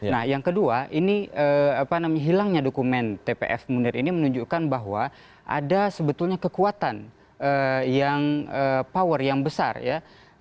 nah yang kedua ini apa namanya hilangnya dokumen tpf munir ini menunjukkan bahwa ada sebetulnya kekuatan yang power yang besar ya